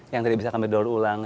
yang tadi bisa diambil daur ulang